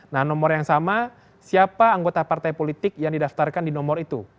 nah nomor yang sama siapa anggota partai politik yang didaftarkan di nomor itu